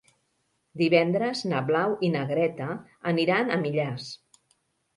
Divendres na Blau i na Greta aniran a Millars.